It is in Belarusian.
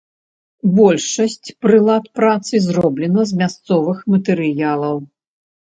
Большасць прылад працы зроблена з мясцовых матэрыялаў.